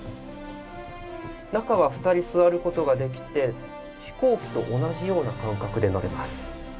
中は２人、座ることができて飛行機と同じような感覚で乗れます。